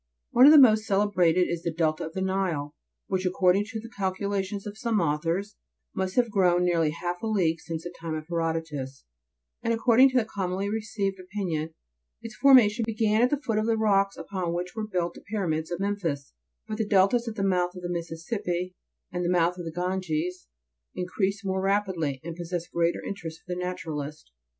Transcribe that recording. One of the most celebrated is the Delta of the Nile, which, according to the calculations of some authors, must have grown nearly half a league since the time of Herodotus ; and according to the commonly received opinion, its formation began at the foot of the rocks upon which were built the pyramids of Memphis ; but the deltas at the mouth of the Mississippi, and the mouth of the Ganges, increase more rapidly, and possess greater interest for the naturalist.